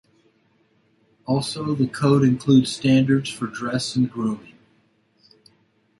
Also, the code includes standards for dress and grooming.